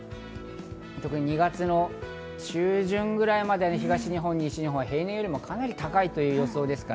特に２月の中旬ぐらいまで東日本、西日本は平年よりもかなり高い予想です。